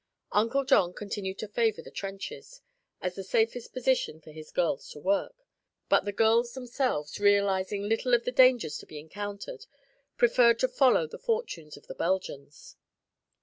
Uncle John continued to favor the trenches, as the safest position for his girls to work; but the girls themselves, realizing little of the dangers to be encountered, preferred to follow the fortunes of the Belgians.